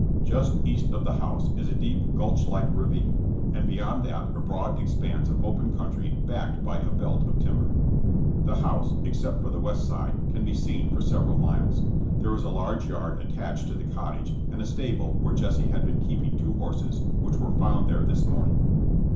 Just east of the house is a deep, gulch like ravine, and beyond that a broad expanse of open country backed by a belt of timber. The house, except from the west side, can be seen for several miles. There is a large yard at tached to the cottage, and a stable where Jesse had been keeping two horses, which were found there this morning.